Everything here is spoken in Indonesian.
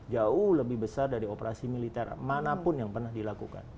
jauh lebih besar dari operasi militer manapun yang pernah dilakukan